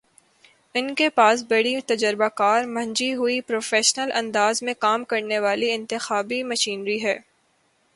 ان کے پاس بڑی تجربہ کار، منجھی ہوئی، پروفیشنل انداز میں کام کرنے والی انتخابی مشینری ہے۔